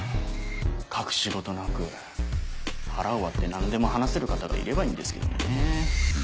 隠し事なく腹を割って何でも話せる方がいればいいんですけどね。